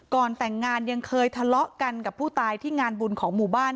ก่อนแต่งงานยังเคยทะเลาะกันกับผู้ตายที่งานบุญของหมู่บ้าน